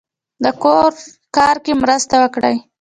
د کور کار کې مرسته وکړئ